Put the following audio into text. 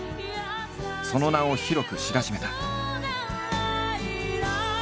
その名を広く知らしめた。